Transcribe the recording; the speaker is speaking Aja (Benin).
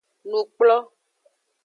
Nukplo.